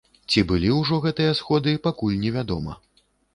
Ці былі ўжо гэтыя сходы, пакуль невядома.